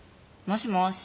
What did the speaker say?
もしもし？